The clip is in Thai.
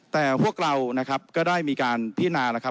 แต่พวกเราก็ได้มีการพินา